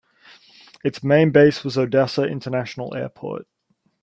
Its main base was Odessa International Airport.